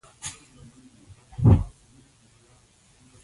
دښمن د زړه له سپینوالي وېرېږي